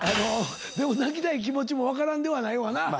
でも泣きたい気持ちも分からんではないわな。